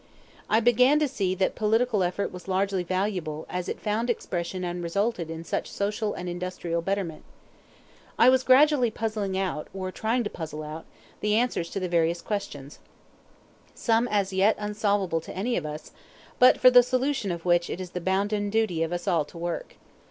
I began to see that political effort was largely valuable as it found expression and resulted in such social and industrial betterment. I was gradually puzzling out, or trying to puzzle out, the answers to various questions some as yet unsolvable to any of us, but for the solution of which it is the bounden duty of all of us to work.